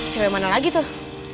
cewek mana lagi tuh